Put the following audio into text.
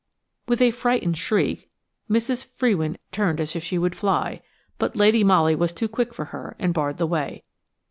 With a frightened shriek Mrs. Frewin turned as if she would fly, but Lady Molly was too quick for her, and barred the way.